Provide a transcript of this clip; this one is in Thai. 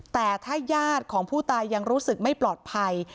แต่ถ้าญาติของผู้ตายยังรู้สึกไม่ปลอดภัย